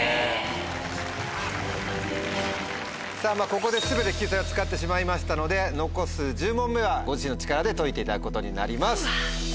ここで全て救済を使ってしまいましたので残す１０問目はご自身の力で解いていただくことになります。